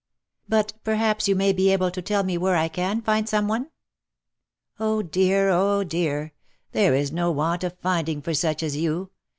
" But perhaps you may be able to tell me where I can find some one ?"" O dear ! O dear ! there is no want of finding for such as you.